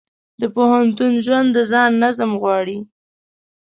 د پوهنتون ژوند د ځان نظم غواړي.